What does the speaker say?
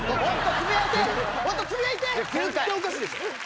絶対おかしいでしょ。